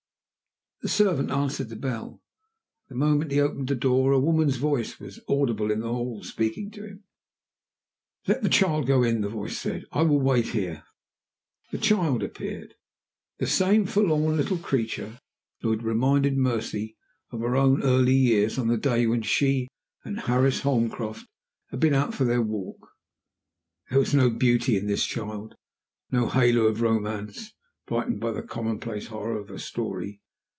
The servant answered the bell. At the moment he opened the door a woman's voice was audible in the hall speaking to him. "Let the child go in," the voice said. "I will wait here." The child appeared the same forlorn little creature who had reminded Mercy of her own early years on the day when she and Horace Holmcroft had been out for their walk. There was no beauty in this child; no halo of romance brightened the commonplace horror of her story.